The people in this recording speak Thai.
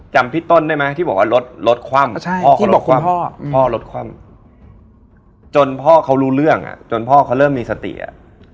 ใช่อันนี้เรื่องเด็กตามเนี่ย